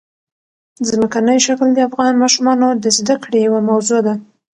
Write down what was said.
ځمکنی شکل د افغان ماشومانو د زده کړې یوه موضوع ده.